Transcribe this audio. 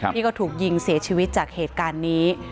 ที่ก็ถูกยิงเสียชีวิตจากเหตุการณ์นี้